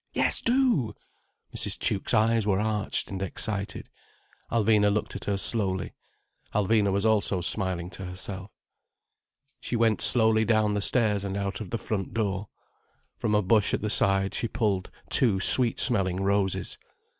Yes do!" Mrs. Tuke's eyes were arched and excited. Alvina looked at her slowly. Alvina also was smiling to herself. She went slowly down the stairs and out of the front door. From a bush at the side she pulled two sweet smelling roses.